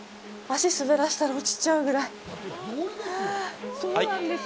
足を滑らせたら落ちちゃうぐらい。